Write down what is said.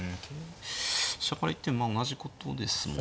飛車から行っても同じことですもんね。